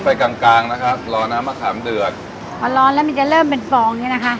ไปกลางกลางนะคะรอน้ำมะขามเดือดพอร้อนแล้วมันจะเริ่มเป็นฟองเนี้ยนะคะ